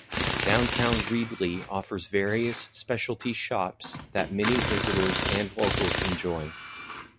Downtown Reedley offers various specialty shops that many visitors and locals enjoy.